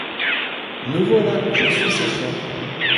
Me voilà! je suis ce chien...